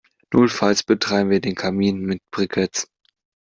Notfalls betreiben wir den Kamin mit Briketts.